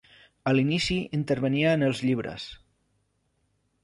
A l'inici intervenia en els llibres.